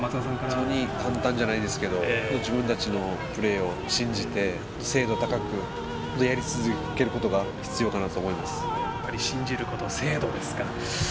本当に簡単じゃないですけど自分たちのプレーを信じて精度高く、やり続けることが必要かなと思います。